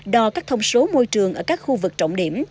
đo các thông số môi trường ở các khu vực trọng điểm